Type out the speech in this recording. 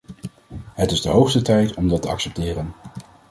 Het is de hoogste tijd om dat te accepteren.